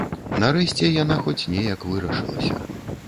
Нарэшце яна хоць неяк вырашылася.